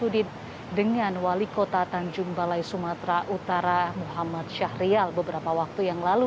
dengan wali kota tanjung balai sumatera utara muhammad syahrial beberapa waktu yang lalu